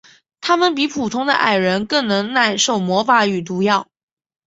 他们比普通的矮人更能耐受魔法与毒药。